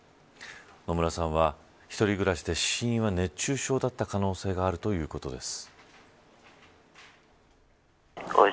野村さんは、一人暮らしで死因は熱中症だった可能性があるということです。